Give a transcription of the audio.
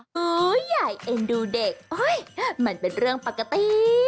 หัวใหญ่เอ็นดูเด็กมันเป็นเรื่องปกติ